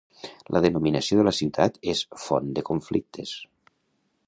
La denominació de la ciutat és font de conflictes.